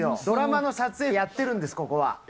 ドラマの撮影、やってるんです、ここは。